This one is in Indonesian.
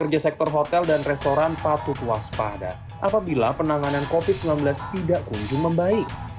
kerja sektor hotel dan restoran patut waspada apabila penanganan covid sembilan belas tidak kunjung membaik